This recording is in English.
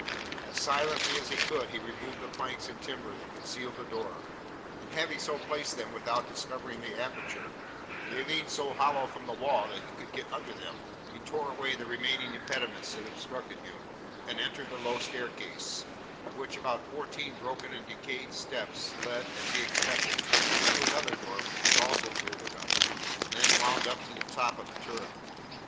As silently as he could he removed the planks and timber that concealed the door; and having so placed them that, without discovering the aperture, they leaned so hollow from the wall that he could get under them, he tore away the remaining impediments that obstructed him, and entered the low stair case, of which about fourteen broken and decayed steps led, as he expected, to another door which was also boarded up, and then wound up to the top of the turret.